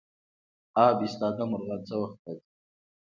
اب ایستاده مرغان څه وخت راځي؟